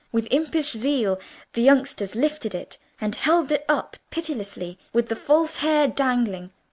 With impish zeal the youngsters lifted it, and held it up pitilessly, with the false hair dangling.